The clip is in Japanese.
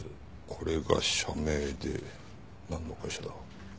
これが社名でなんの会社だ？